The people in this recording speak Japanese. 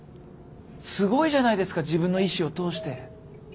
すごいじゃないですか自分の意志を通して。